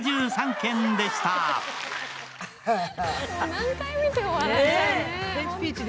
何回見ても笑っちゃうね、本当に。